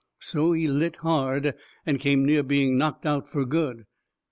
So he lit hard, and come near being knocked out fur good.